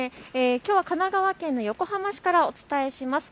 きょうは神奈川県横浜市からお伝えします。